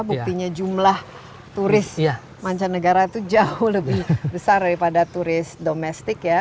buktinya jumlah turis mancanegara itu jauh lebih besar daripada turis domestik ya